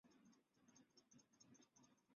阿彭维尔。